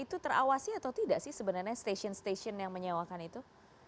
itu terawasi atau tidak sih sebenarnya stasiun stasiun yang menyewakan itu